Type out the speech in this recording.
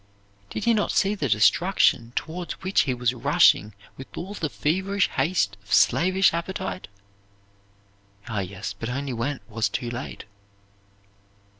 Did he not see the destruction toward which he was rushing with all the feverish haste of slavish appetite? Ah, yes, but only when it was too late.